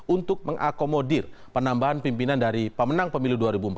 untuk mengakomodir penambahan pimpinan dari pemenang pemilu dua ribu empat belas